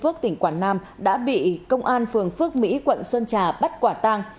phương phước tỉnh quảng nam đã bị công an phương phước mỹ quận sơn trà bắt quả tang